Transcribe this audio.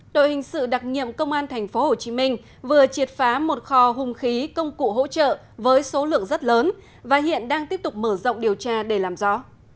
đội hình sự đặc nhiệm công an tp hcm vừa triệt phá một kho hùng khí công cụ hỗ trợ với số lượng rất lớn và hiện đang tiếp tục mở rộng điều tra để làm rõ